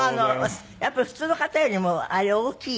やっぱり普通の方よりもあれ大きい？